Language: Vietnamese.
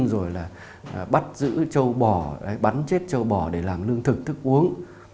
rồi là bắt giữ châu bò bắn chết châu bò để làm lương thực thức uống